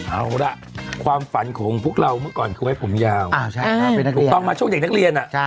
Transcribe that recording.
เอาล่ะความฝันของพวกเราเมื่อก่อนคือไว้ผมยาวถูกต้องมาช่วงเด็กนักเรียน